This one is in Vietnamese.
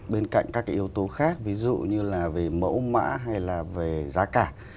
bên cạnh các yếu tố khác ví dụ như mẫu mã hay giá cả